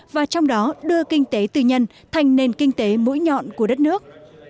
và trong đó đưa kinh tế tư nhân thành nền kinh tế mũi nhọn của đất nước